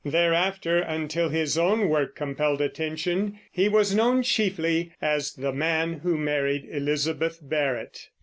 Thereafter, until his own work compelled attention, he was known chiefly as the man who married Elizabeth Barrett.